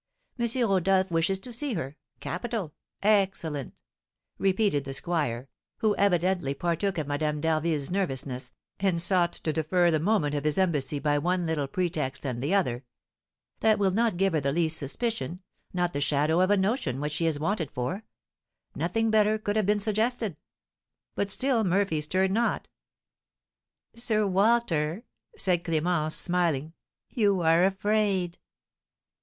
M. Rodolph wishes to see her, capital, excellent!" repeated the squire, who evidently partook of Madame d'Harville's nervousness, and sought to defer the moment of his embassy by one little pretext and the other. "That will not give her the least suspicion, not the shadow of a notion what she is wanted for. Nothing better could have been suggested." But still Murphy stirred not. "Sir Walter," said Clémence, smiling, "you are afraid!"